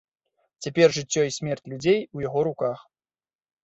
Цяпер жыццё і смерць людзей у яго руках.